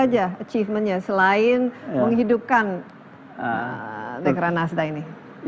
apa saja achievement nya selain menghidupkan dekran nasdaq ini